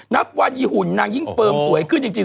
นับวันอีหุ่นนางยิ่งเฟิร์มสวยขึ้นจริง